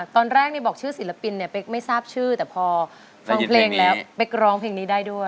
ตอนแรกบอกชื่อศิลปินเนี่ยเป๊กไม่ทราบชื่อแต่พอฟังเพลงแล้วเป๊กร้องเพลงนี้ได้ด้วย